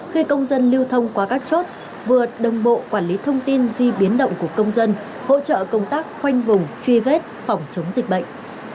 khi công dân lưu thông qua các chốt vừa đồng bộ quản lý thông tin di biến động của công dân hỗ trợ công tác khoanh vùng truy vết phòng chống dịch bệnh